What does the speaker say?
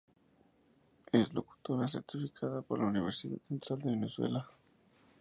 Es locutora certificada por la Universidad Central De Venezuela.